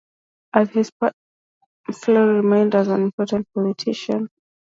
After his premiership Forlani remained an important politician.